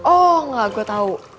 oh gak gue tau